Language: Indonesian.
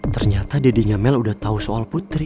ternyata dedenya mel udah tahu soal putri